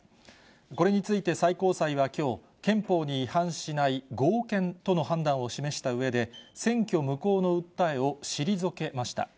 これについて、最高裁はきょう、憲法に違反しない合憲との判断を示したうえで、選挙無効の訴えを退けました。